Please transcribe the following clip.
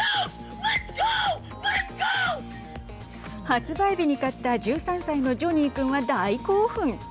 発売日に買った１３歳のジョニーくんは大興奮。